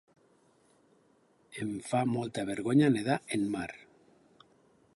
Em fa molta vergonya nedar en mar.